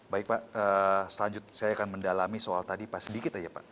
baik pak selanjutnya saya akan mendalami soal tadi pak sedikit aja pak